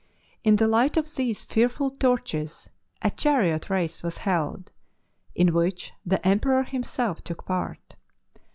In the light o trese fearful torches a chariot race was held, in which the Emperor himself took part.